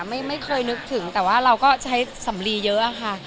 ไม่เคยนึกถึงแต่ว่าเราก็ใช้สำลีเยอะค่ะ